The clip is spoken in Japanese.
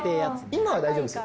今は大丈夫です。